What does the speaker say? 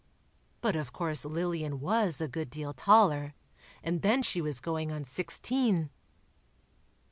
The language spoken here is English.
But of course Lillian was a good deal taller, and then she was "going on sixteen."